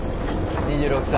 ２６歳。